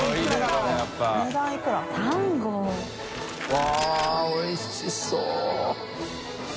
わっおいしそう。